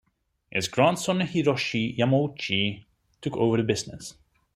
His grandson Hiroshi Yamauchi took over the business.